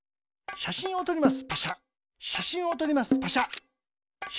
しゃしんをとります。